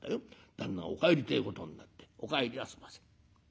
旦那お帰りってえことになって『お帰りあそばせ。